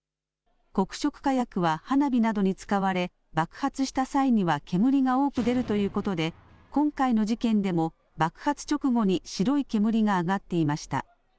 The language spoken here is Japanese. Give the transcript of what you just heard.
黒色火薬は花火などに使われ爆発した際には煙が多く出るということで今回の事件でも爆発直後に白い煙が上がっていました。